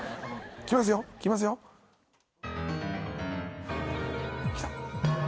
来ますよ来ますよ。来た。